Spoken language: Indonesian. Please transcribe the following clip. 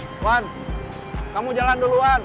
iwan kamu jalan dulu iwan